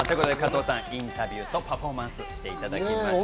インタビューとパフォーマンスをしていただきました。